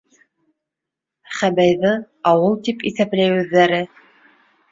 Хэбэйҙы ауыл тип иҫәпләй үҙҙәре.